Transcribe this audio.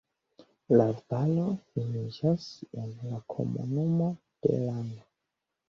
La valo finiĝas en la komunumo de Lana.